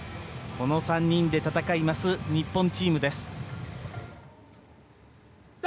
この３人で戦います日本チームです。